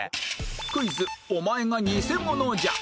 クイズお前がニセモノじゃ！